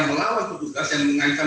melawan petugas yang mengaikan